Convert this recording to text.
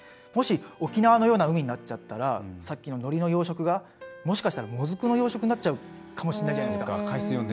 もし、沖縄のような海になっちゃったらのりの養殖が、もしかしたらモズクの養殖になっちゃうかもしれないじゃないですか。